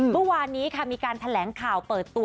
เมื่อวานนี้ค่ะมีการแถลงข่าวเปิดตัว